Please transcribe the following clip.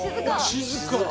静か。